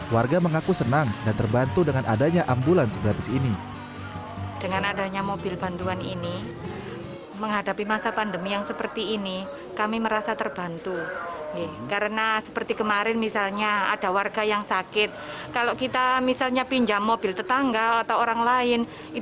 warga mengaku senang dan terbantu dengan adanya ambulans ini